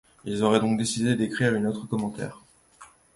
Il aurait donc décidé d'écrire un autre commentaire.